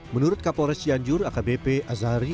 menurut kapolres cianjur akbp azari